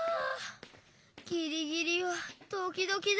ギリギリはドキドキだ。